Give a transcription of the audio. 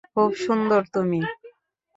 খুব সুন্দর তুমি।